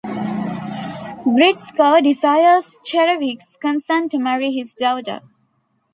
Gritsko desires Cherevik's consent to marry his daughter.